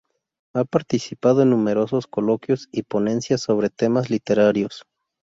Ha participado en numerosos coloquios y ponencias sobre temas literarios.